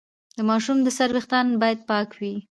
د ماشوم د سر ویښتان باید پاک وي۔